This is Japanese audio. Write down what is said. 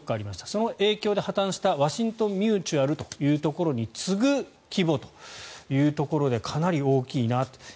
その影響で破たんしたワシントン・ミューチュアルというところに次ぐ規模というところでかなり大きいなと。